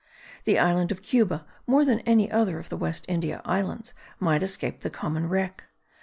The island of Cuba, more than any other of the West India Islands, might escape the common wreck.